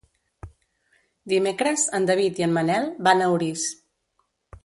Dimecres en David i en Manel van a Orís.